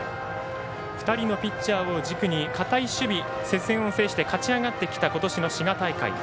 ２人のピッチャーを軸に堅い守備、接戦を制して勝ち上がってきた今年の滋賀大会。